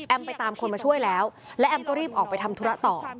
ไปตามคนมาช่วยแล้วและแอมก็รีบออกไปทำธุระต่อ